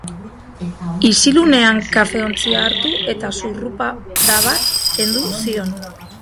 Isilunean kafeontzia hartu eta zurrupada bat kendu zion.